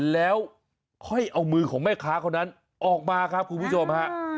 แล้วค่อยเอามือของแม่ค้าคนนั้นออกมาครับคุณผู้ชมฮะ